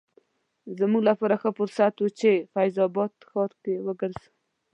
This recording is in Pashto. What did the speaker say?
زموږ لپاره ښه فرصت و چې فیض اباد ښار کې وګرځو.